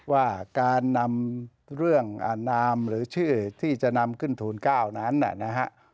ว่าการนำเรื่องนามหรือชื่อที่จะนำขึ้นทูล๙นั้นนะฮะ